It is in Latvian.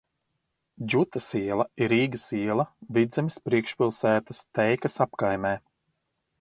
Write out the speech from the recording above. Džutas iela ir Rīgas iela, Vidzemes priekšpilsētas Teikas apkaimē.